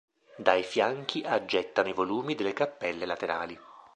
Dai fianchi aggettano i volumi delle cappelle laterali.